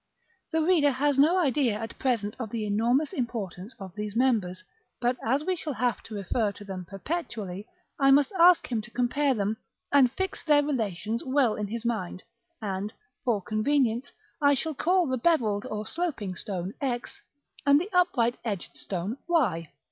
The reader has no idea at present of the enormous importance of these members; but as we shall have to refer to them perpetually, I must ask him to compare them, and fix their relations well in his mind: and, for convenience, I shall call the bevelled or sloping stone, X, and the upright edged stone, Y.